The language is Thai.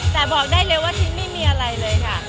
แต่บอกได้เลยว่าชิ้นไม่มีอะไรเลยค่ะ